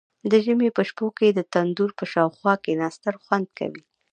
د ژمي په شپو کې د تندور په شاوخوا کیناستل خوند کوي.